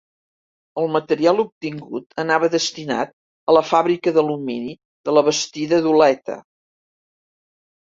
El material obtingut anava destinat a la fàbrica d'alumini de la Bastida d'Oleta.